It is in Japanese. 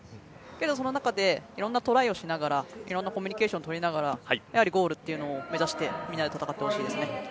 でも、その中でいろんなトライをしながらいろんなコミュニケーションを取りながらやはりゴールというのを目指してみんなで戦ってほしいですね。